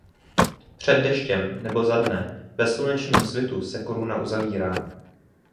Před deštěm nebo za dne bez slunečního svitu se koruna uzavírá.